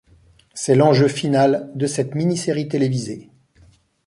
C'est l'enjeu final de cette minisérie télévisée.